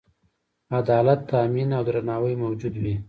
عدالت تأمین او درناوی موجود وي.